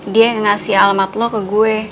dia ngasih alamat lo ke gue